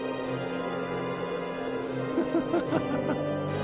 ハハハハハッ。